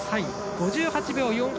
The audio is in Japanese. ５８秒４８